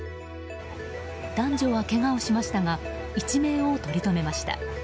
男女は、けがをしましたが一命をとりとめました。